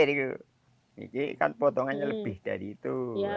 ini potongan lebih dari itu